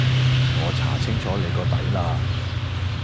我查清楚你個底啦